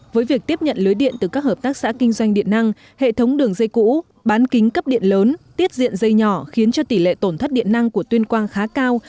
với việc tiếp nhận lưới điện từ các hợp tác xã kinh doanh điện năng hệ thống đường dây cũ bán kính cấp điện lớn tiết diện dây nhỏ khiến cho tỷ lệ tổn thất điện năng của tuyên quang khá cao